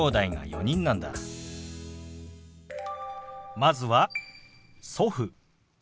まずは「祖父」。